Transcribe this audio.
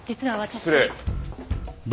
失礼！